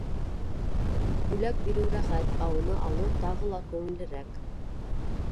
Бүләк биреү рәхәт, ә уны алыу тағы ла күңеллерәк.